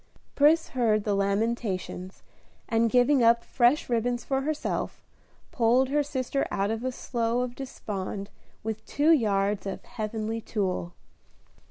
Pris heard the lamentations, and giving up fresh ribbons for herself, pulled her sister out of a slough of despond with two yards of "heavenly tulle."